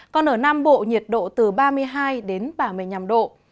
còn ở nam bộ nhiệt độ từ ba mươi hai đến ba mươi năm độ